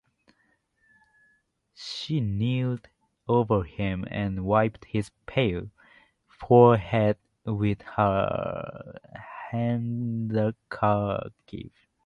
She kneeled over him and wiped his pale forehead with her handkerchief.